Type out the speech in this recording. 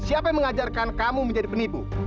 siapa yang mengajarkan kamu menjadi penipu